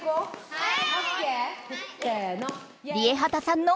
はい！